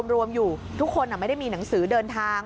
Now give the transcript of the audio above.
รวมอยู่ทุกคนไม่ได้มีหนังสือเดินทาง